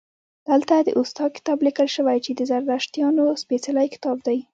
دلته د اوستا کتاب لیکل شوی چې د زردشتیانو سپیڅلی کتاب دی